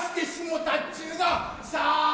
さあ